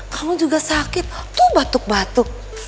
kamu juga sakit tuh batuk batuk